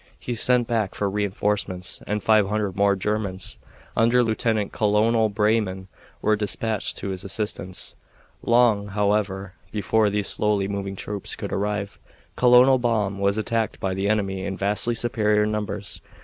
He sent back for re enforcements, and five hundred more Germans, under Lieutenant Colonel Breyman, were dispatched to his assistance. Long, however, before these slowly moving troops could arrive Colonel Baum was attacked by the enemy in vastly superior numbers.